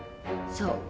そう。